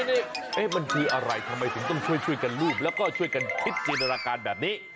นี่มันคืออะไรทำไมถึงต้องช่วยกันรูปแล้วก็ช่วยกันคิดจินตนาการแบบนี้